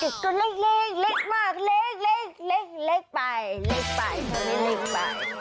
เมืองนี้เด็กเท่าน่ารักนะเลิกเล็กเล็กเล็กไปเล็กไปเท่านี้เล็กไป